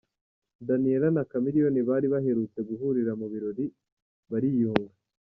Daniella na Chameleone bari baherutse guhurira mu birori bariyunga.